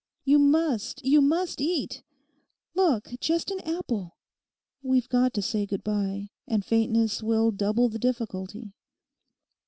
You must, you must eat; look, just an apple. We've got to say good bye. And faintness will double the difficulty.